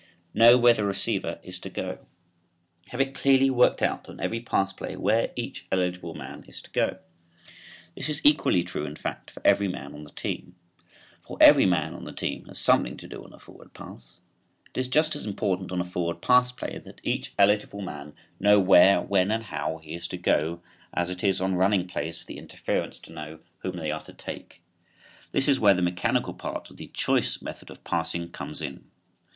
KNOW WHERE THE RECEIVER IS TO GO. Have it clearly worked out on every pass play where each eligible man is to go. This is equally true in fact for every man on the team, for every man on the team has something to do on a forward pass. It is just as important on a forward pass play that each eligible man know where, when and how he is to go as it is on running plays for the interference to know whom they are to take. This is where the mechanical part of the "choice" method of passing comes in.